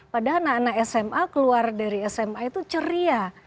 padahal anak anak sma keluar dari sma itu ceria